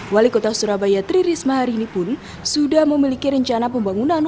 wali kota surabaya tri risma hari ini pun sudah memiliki rencana pembangunan